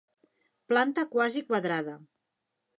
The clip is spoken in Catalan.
Planta quasi quadrada.